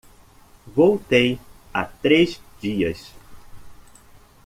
Voltei há três dias.